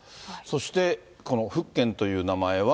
そして、この福建という名前は。